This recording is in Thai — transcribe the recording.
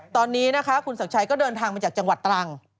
ตอนนี้นะคะคุณศักดิ์ชัยก็เดินทางมาจากจังหวัดตรัง